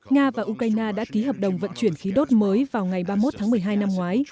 nga và ukraine đã ký hợp đồng vận chuyển khí đốt mới vào ngày ba mươi một tháng một mươi hai năm ngoái